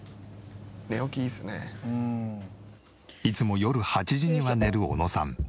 いつも夜８時には寝る小野さん。